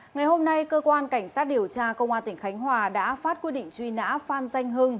ngày hôm nay cơ quan cảnh sát điều tra công an tỉnh khánh hòa đã phát quyết định truy nã phan danh hưng